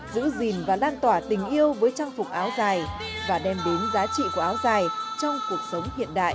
giữ gìn và lan tỏa tình yêu với trang phục áo dài và đem đến giá trị của áo dài trong cuộc sống hiện đại